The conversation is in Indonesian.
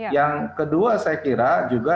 yang kedua saya kira juga